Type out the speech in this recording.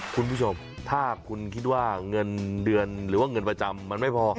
คุณผู้ชมถ้าคุณคิดว่าเงินเดือนหรือว่าเงินประจำมันไม่พอ